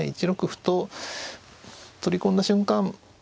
１六歩と取り込んだ瞬間